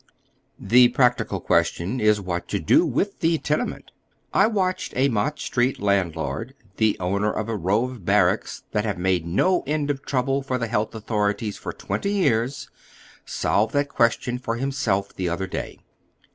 The practical question is what to do with the tenement. I watched a Mott Street landloi'd,.the owner of a row of barracks that have made no end of tronbJe for the health authorities for twenty years, solve that qnestion for him self the other day.